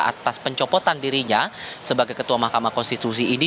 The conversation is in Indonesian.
atas pencopotan dirinya sebagai ketua mahkamah konstitusi ini